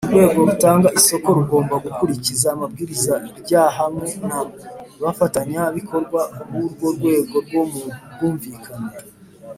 urwego rutanga isoko rugomba gukurikiza amabwiriza rya hamwe na bafatanya bikorwa burwo rwego rwabo mu bwumvikane